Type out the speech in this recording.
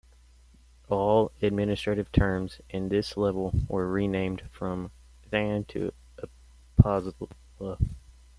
All administrative terms in this level were renamed from "thana" to "upazila".